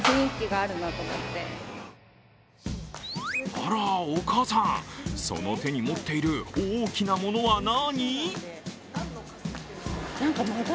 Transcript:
あら、お母さん、その手に持っている大きなものは何？